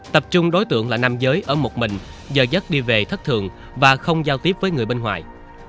tập trung đối tượng là nam giới ở một mình giờ giấc đi về thất thường và không giao tiếp với người bên ngoài